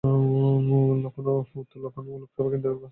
লখনউ উত্তর, লখনউ লোকসভা কেন্দ্রের পাঁচটি বিধানসভা কেন্দ্রের একটি।